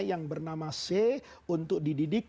yang bernama c untuk dididik